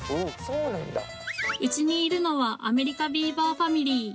うちにいるのはアメリカビーバーファミリー